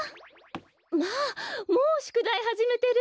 まあもうしゅくだいはじめてる。